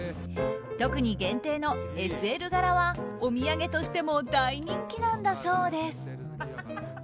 特に限定のＳＬ柄はお土産としても大人気なんだそうです。